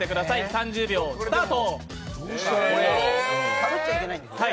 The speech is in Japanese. ３０秒スタート。